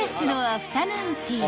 ［アフタヌーンティー］